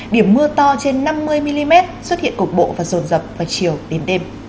điểm mưa to trên năm mươi mm xuất hiện cục bộ và rồn rập vào chiều đến đêm